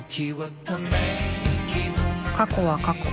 ［過去は過去］